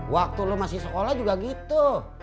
waktu lo masih sekolah juga gitu